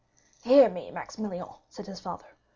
"Hear me, Maximilian," said his father.